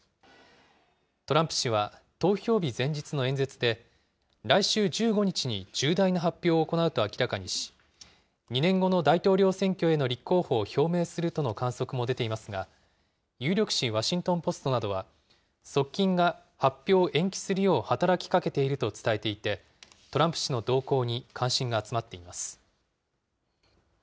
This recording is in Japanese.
トランプ氏は、投票日前日の演説で、来週１５日に重大な発表を行うと明らかにし、２年後の大統領選挙への立候補を表明するとの観測も出ていますが、有力紙、ワシントン・ポストなどは、側近が発表を延期するよう働きかけていると伝えていて、トランプ氏の動向に関心が集まっています。